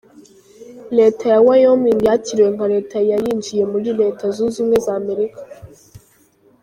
Leta ya Wyoming yakiriwe nka Leta ya yinjiye muri Leta zunze ubumwe za Amerika.